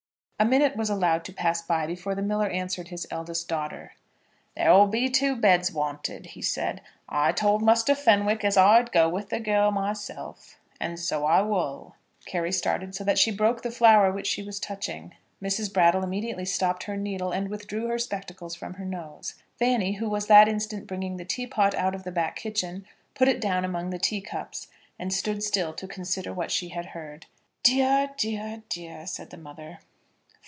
A minute was allowed to pass by before the miller answered his eldest daughter. "There'll be two beds wanted," he said; "I told Muster Fenwick as I'd go with the girl myself; and so I wull." Carry started so that she broke the flower which she was touching. Mrs. Brattle immediately stopped her needle, and withdrew her spectacles from her nose. Fanny, who was that instant bringing the tea pot out of the back kitchen, put it down among the tea cups, and stood still to consider what she had heard. "Dear, dear, dear!" said the mother.